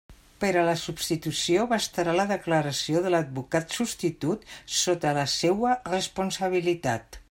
Per a la substitució bastarà la declaració de l'advocat substitut, sota la seua responsabilitat.